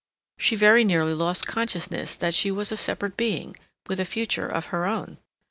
She very nearly lost consciousness that she was a separate being, with a future of her own.